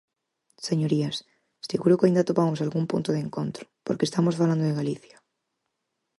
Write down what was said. Señorías, seguro que aínda atopamos algún punto de encontro, porque estamos falando de Galicia.